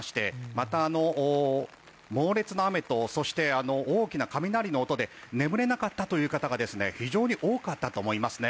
また、猛烈な雨とそして、大きな雷の音で眠れなかった方が非常に多かったと思います。